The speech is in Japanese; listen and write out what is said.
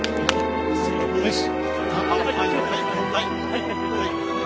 よし。